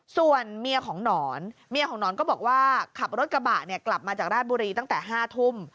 ส่วนเมียของหนอนเมียของหนอนก็บอกว่าขับรถกระบะเนี่ยกลับมาจากราชบุรีตั้งแต่๕ทุ่ม